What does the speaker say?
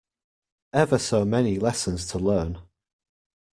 Ever so many lessons to learn!